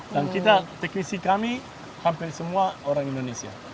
dan kita teknisi kami hampir semua orang indonesia